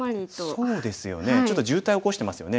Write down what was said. そうですよねちょっと渋滞起こしてますよね。